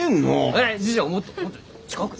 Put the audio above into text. えっ師匠もっと近くで。